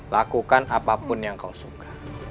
lakukan apapun yang kau suka